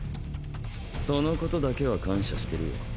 そのことだけは感謝してるよ。